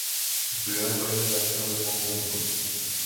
Estudió en el Colegio Alexander von Humboldt.